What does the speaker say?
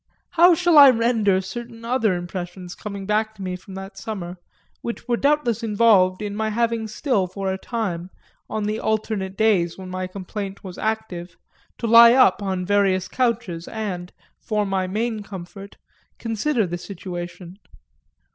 XXI How shall I render certain other impressions coming back to me from that summer, which were doubtless involved in my having still for a time, on the alternate days when my complaint was active, to lie up on various couches and, for my main comfort, consider the situation?